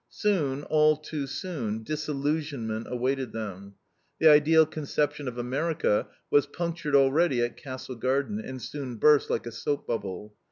Soon, all too soon, disillusionment awaited them. The ideal conception of America was punctured already at Castle Garden, and soon burst like a soap bubble.